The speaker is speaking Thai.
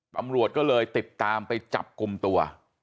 ตำรวจก็เลยติดตามไปจับกลุ่มตัว